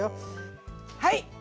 はい。